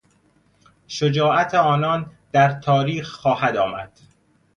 شجاعت آنان در تاریخ خواهد آمد.